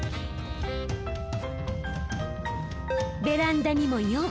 ベランダにも４。